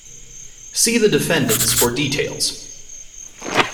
See the defendants for details.